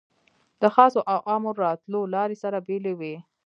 د خاصو او عامو راتلو لارې سره بېلې وې.